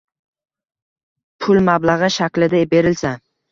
pul mablag‘i shaklida berilsa